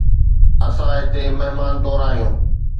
اسان هتي مهمان طور آهيون